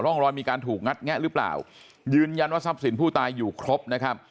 ร่องรอยมีการถูกงัดแงะหรือเปล่ายืนยันว่าทรัพย์สินผู้ตายอยู่ครบนะครับ